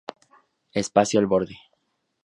Espacio Al Borde.